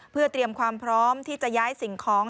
เพื่อเตรียมความพร้อมที่จะย้ายสิ่งของ